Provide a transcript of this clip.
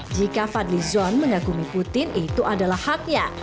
jika fadlison mengakumi putin itu adalah haknya